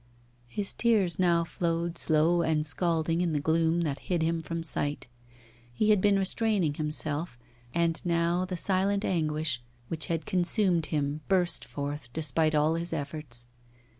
His tears now flowed slow and scalding in the gloom that hid him from sight. He had been restraining himself, and now the silent anguish which had consumed him burst forth despite all his efforts.